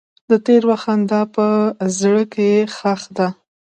د تېر وخت خندا په زړګي کې ښخ ده.